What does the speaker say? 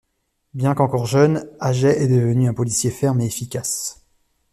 Bien qu'encore jeune, Ajay est devenu un policier ferme et efficace.